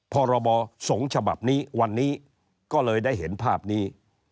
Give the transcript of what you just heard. พรบสงฆ์ฉบับนี้วันนี้ก็เลยได้เห็นภาพนี้